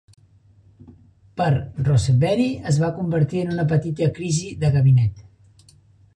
Per Rosebery es va convertir en una petita crisi de gabinet.